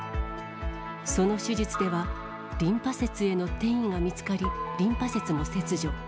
その手術では、リンパ節への転移が見つかり、リンパ節も切除。